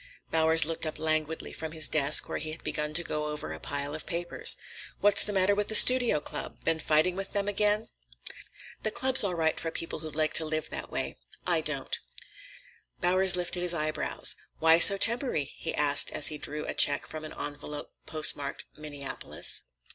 Bowers looked up languidly from his desk where he had begun to go over a pile of letters. "What's the matter with the Studio Club? Been fighting with them again?" "The Club's all right for people who like to live that way. I don't." Bowers lifted his eyebrows. "Why so tempery?" he asked as he drew a check from an envelope postmarked "Minneapolis."